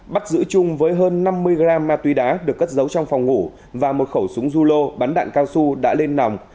bắt giữ chung với hơn năm mươi gram ma túy đá được cất giấu trong phòng ngủ và một khẩu súng rulo bắn đạn cao su đã lên nòng